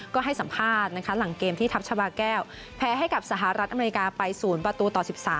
ก็ให้สัมภาษณ์นะคะหลังเกมที่ทัพชาบาแก้วแพ้ให้กับสหรัฐอเมริกาไป๐ประตูต่อ๑๓